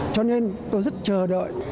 cho nên tôi rất chờ đợi